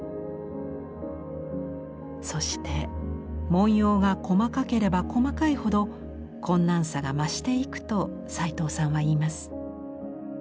そして文様が細かければ細かいほど困難さが増していくと齊藤さんは言います。